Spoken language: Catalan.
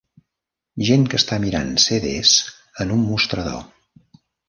Gent que està mirant CDs en un mostrador